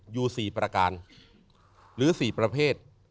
อยู่๔ประการหรือ๔ประเภท